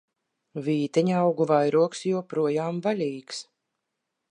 Vīteņaugu vairogs joprojām vaļīgs!